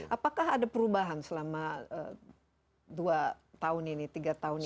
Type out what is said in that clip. apakah ada perubahan selama dua tahun ini tiga tahun ini